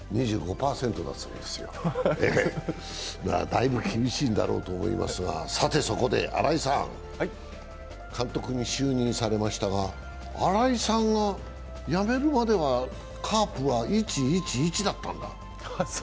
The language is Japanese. だいぶ厳しいんだろうと思いますが、そこで監督に就任されましたが、新井さんが辞めるまではカープは１、１、１だったんだ。